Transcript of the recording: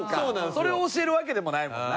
それを教えるわけでもないもんな。